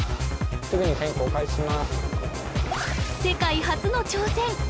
世界初の挑戦